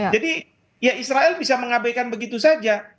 jadi ya israel bisa mengabaikan begitu saja